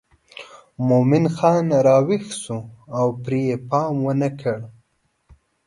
مومن خان راویښ شو او پرې یې پام ونه کړ.